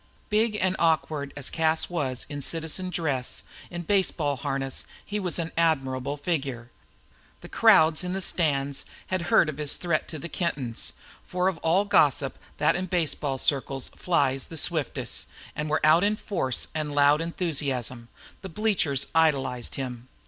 Big and awkward as Cas was in citizen dress, in baseball harness he made an admirable figure. The crowds in the stands had heard of his threat to the Kentons for of all gossip that in baseball circles flies the swiftest and were out in force and loud in enthusiasm. The bleachers idolized him.